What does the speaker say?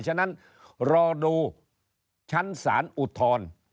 ฉะนั้นรอดูชั้นศาลอุทธรณ์